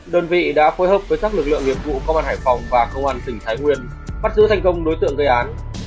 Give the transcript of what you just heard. đơn vị đã phối hợp với các lực lượng nghiệp vụ công an hải phòng và công an tỉnh thái nguyên bắt giữ thành công đối tượng gây án